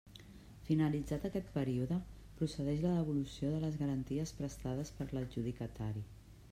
Finalitzat aquest període, procedeix la devolució de les garanties prestades per l'adjudicatari.